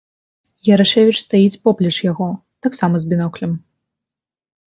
Ярашэвіч стаіць поплеч яго таксама з біноклем.